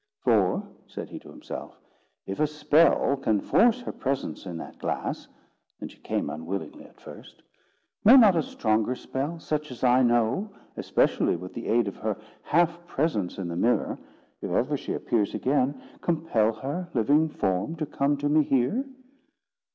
"For," said he to himself, "if a spell can force her presence in that glass (and she came unwillingly at first), may not a stronger spell, such as I know, especially with the aid of her half presence in the mirror, if ever she appears again, compel her living form to come to me here?